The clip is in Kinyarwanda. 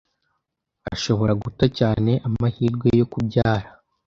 ashobora guta cyane amahirwe yokubyara